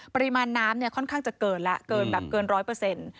ปริมาณน้ำเนี่ยค่อนข้างจะเกินแล้วเกินแบบเกินร้อยเปอร์เซ็นต์